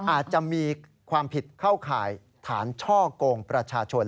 อาจจะมีความผิดเข้าข่ายฐานช่อกงประชาชน